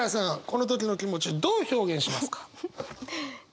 この時の気持ちどう表現しますか？